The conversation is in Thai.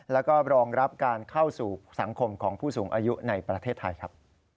แล้วก็รองรับการเข้าสู่สังคมของผู้สูงอายุในประเทศไทยครับ